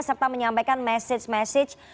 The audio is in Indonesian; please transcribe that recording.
serta menyampaikan message message